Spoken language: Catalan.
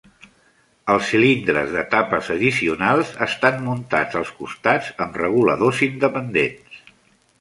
Els cilindres d'etapes addicionals estan muntats als costats amb reguladors independents.